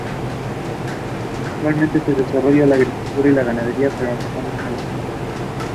Igualmente se desarrolla la agricultura y la ganadería, pero en menor escala.